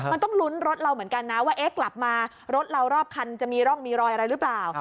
มันต้องลุ้นรถเราเหมือนกันนะว่าเอ๊ะกลับมารถเรารอบคันจะมีร่องมีรอยอะไรหรือเปล่า